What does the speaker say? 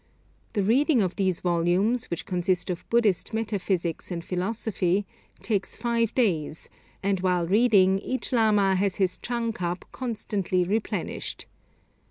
The reading of these volumes, which consist of Buddhist metaphysics and philosophy, takes five days, and while reading each lama has his chang cup constantly replenished.